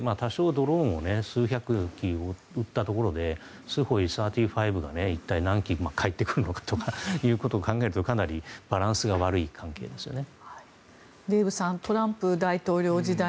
だから、ここのところで多少ドローンを数百機売ったところでスホーイ３５を一体何機返ってくるのかということを考えるとかなりバランスが悪い関係ですね。